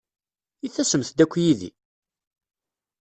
I tasemt-d akk yid-i?